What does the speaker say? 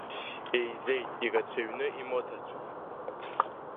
Еизеит ирацәаҩны имоҭацәа.